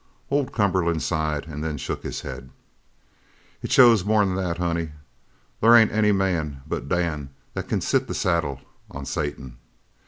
Old Cumberland sighed and then shook his head. "It shows more'n that, honey. There ain't any man but Dan that can sit the saddle on Satan.